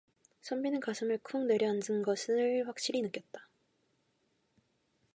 선비는 가슴이 쿵 내려앉는 것을 확실히 느꼈다.